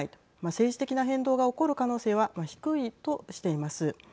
政治的な変動が起こる可能性は低いとしています。